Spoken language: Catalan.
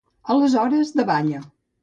Aleshores davalla.